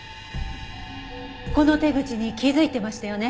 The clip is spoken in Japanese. この手口に気づいてましたよね？